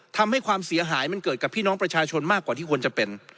ทำให้ความเสียหายมันเกิดกับพี่น้องประชาชนมากกว่าที่ควรจะเป็น